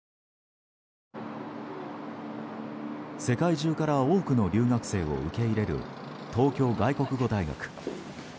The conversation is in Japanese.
世界中から多くの留学生を受け入れる東京外国語大学。